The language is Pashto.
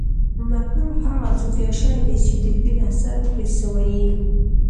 مفعول هغه څوک یا شی دئ، چي د فعل اثر پر سوی يي.